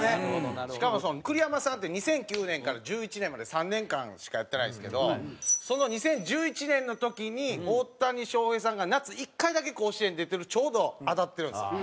しかも栗山さんって２００９年から２０１１年まで３年間しかやってないですけどその２０１１年の時に大谷翔平さんが夏１回だけ甲子園出てるちょうど当たってるんですよ。